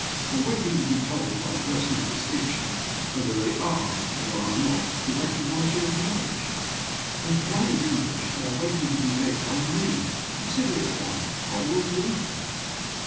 They are waiting to be told by a person of distinction whether they are, or are not, to recognize your marriage. In plain English, they are waiting to be led by Me. Consider it done. I will lead them.